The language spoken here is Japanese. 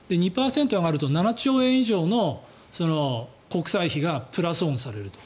２％上がると７兆円以上の国債費がプラスオンされると。